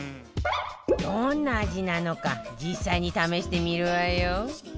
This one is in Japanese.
どんな味なのか実際に試してみるわよ